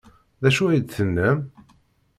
D acu ay d-tennam?